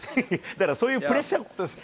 だからそういうプレッシャー。